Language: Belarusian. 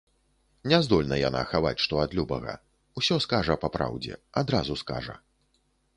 Не здольна яна хаваць што ад любага, усё скажа па праўдзе, адразу скажа.